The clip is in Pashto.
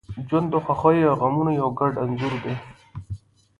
• ژوند د خوښیو او غمونو یو ګډ انځور دی.